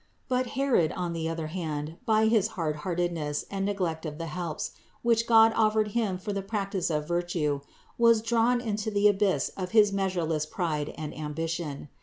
But Herod, on the other hand, by his hard heartedness and neglect THE INCARNATION 477 of the helps, which God offered him for the practice of virtue, was drawn into the abyss of his measureless pride and ambition.